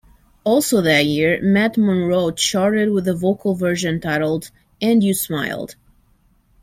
Also that year, Matt Monro charted with a vocal version titled "And You Smiled".